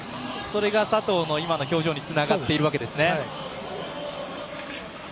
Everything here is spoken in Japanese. それが佐藤の今の表情につながっているわけですね。